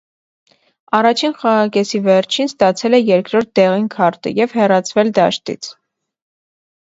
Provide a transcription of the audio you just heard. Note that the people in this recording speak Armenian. Առաջին խաղակեսի վերջին ստացել է երկրորդ դեղին քարտը և հեռացվել դաշտից։